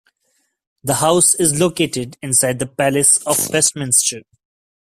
The house is located inside the Palace of Westminster.